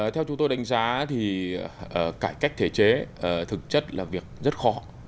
theo chúng tôi đánh giá thì cải cách thể chế thực chất là việc rất khó